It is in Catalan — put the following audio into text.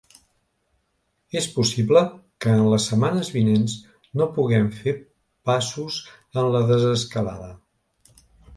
És possible que en les setmanes vinents no puguem fer passos en la desescalada.